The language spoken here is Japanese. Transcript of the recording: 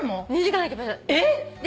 えっ！？